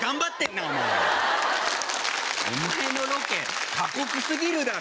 お前のロケ過酷すぎるだろ。